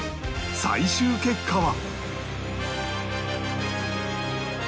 最終結果は